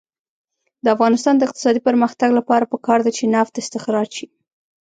د افغانستان د اقتصادي پرمختګ لپاره پکار ده چې نفت استخراج شي.